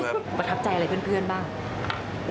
ประทับใจอะไรเพื่อนบ้าง